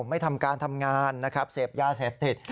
ไม่ทำการทำงานนะครับเสพยาเสพติด